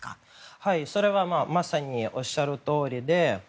はい、それはまさにおっしゃるとおりで。